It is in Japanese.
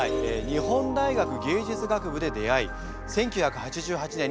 日本大学芸術学部で出会い１９８８年にコンビ結成。